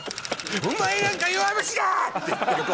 「お前なんか弱虫だ‼」って言って。